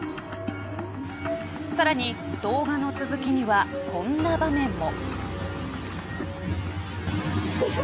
さらに動画の続きにはこんな場面も。